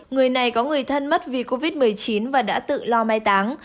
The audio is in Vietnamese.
người này có người thân mất vì covid một mươi chín và đã tự lo mai táng